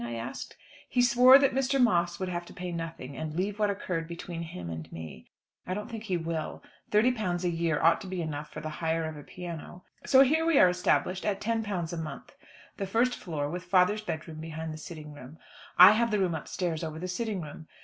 I asked. He swore that Mr. Moss would have to pay nothing, and leave what occurred between him and me. I don't think he will. £30 a year ought to be enough for the hire of a piano. So here we are established, at £10 a month the first floor, with father's bedroom behind the sitting room. I have the room upstairs over the sitting room.